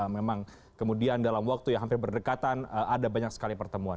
memang kemudian dalam waktu yang hampir berdekatan ada banyak sekali pertemuan